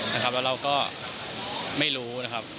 แล้วเราก็ไม่รู้นะครับ